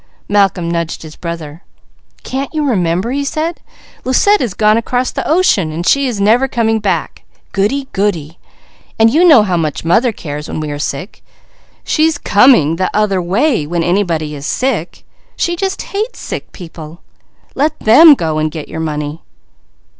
Malcolm nudged his brother. "Can't you remember?" he said. "Lucette has gone across the ocean, and she is never coming back, goody! goody! And you know about how much mother cares when we are sick. She's coming the other way, when anybody is sick. She just hates sick people. Let them go, and get your _money!